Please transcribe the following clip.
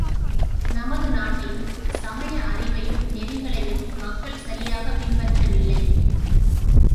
நமது நாட்டின் சமய அறிவையும், நெறிகளையும் மக்கள் சரியாகப் பின்பற்றவில்லை.